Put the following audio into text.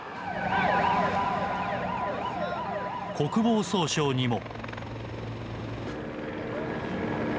国防総省にも。